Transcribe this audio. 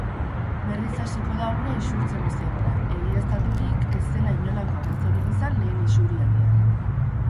Berriz hasiko da ura isurtzen ozeanora, egiaztaturik ez zela inolako arazorik izan lehen isurialdian.